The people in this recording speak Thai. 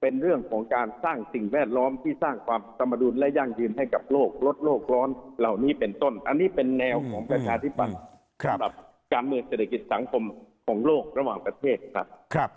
เป็นเรื่องของการสร้างสิ่งแวดล้อมที่สร้างความสมดุลและยั่งยืนให้กับโลกลดโลกร้อนเหล่านี้เป็นต้นอันนี้เป็นแนวของประชาธิปัตย์สำหรับการเมืองเศรษฐกิจสังคมของโลกระหว่างประเทศครับ